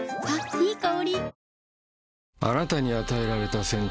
いい香り。